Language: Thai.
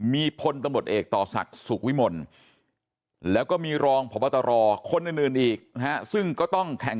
มีพลตำรวจเอกต่อศักดิ์สุขวิมลแล้วก็มีรองพบตรคนอื่นอีกนะฮะซึ่งก็ต้องแข่ง